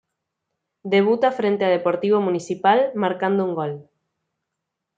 Debuta frente a Deportivo Municipal, marcando un gol.